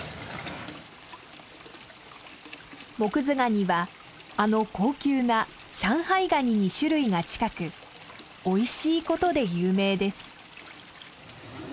モクズガニはあの高級な上海ガニに種類が近くおいしいことで有名です。